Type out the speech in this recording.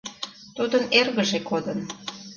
Тудын эргыже кодын.